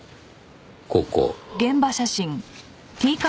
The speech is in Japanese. ここ。